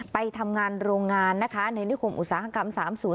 ไปทำงานโรงงานนะคะในนิคมอุตสาหกรรม๓๐